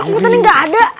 kok keputusan dia gak ada